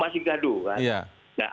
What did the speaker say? masih gaduh kan